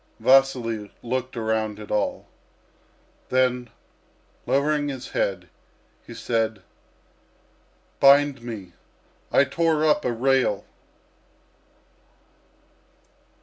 Vasily looked around at all. Then, lowering his head, he said: "Bind me. I tore up a rail!"